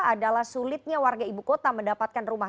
adalah sulitnya warga ibu kota mendapatkan rumah